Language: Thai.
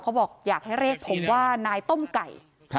บอกอยากให้เรียกผมว่านายต้มไก่